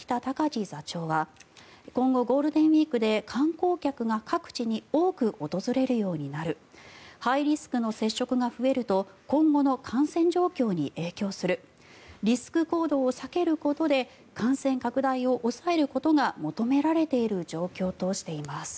字座長は今後、ゴールデンウィークで観光客が各地に多く訪れるようになるハイリスクの接触が増えると今後の感染状況に影響するリスク行動を避けることで感染拡大を抑えることが求められている状況としています。